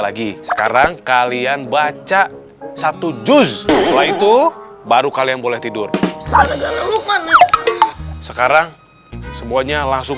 lagi sekarang kalian baca satu jus setelah itu baru kalian boleh tidur sekarang semuanya langsung